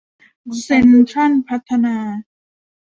เซ็นทรัลพัฒนา